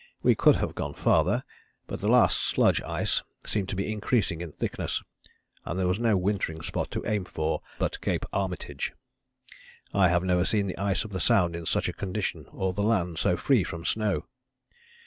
We could have gone farther, but the last sludge ice seemed to be increasing in thickness, and there was no wintering spot to aim for but Cape Armitage. I have never seen the ice of the Sound in such a condition or the land so free from snow.